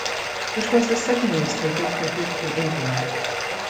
It was the second newspaper printed in India.